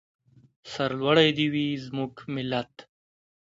سرلوړی دې وي زموږ ملت.